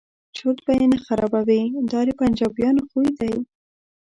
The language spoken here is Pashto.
چرت به نه خرابوي دا د پنجابیانو خوی دی.